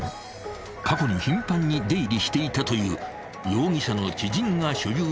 ［過去に頻繁に出入りしていたという］